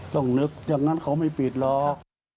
ต้องนึกอย่างนั้นเขาไม่ปิดหรอก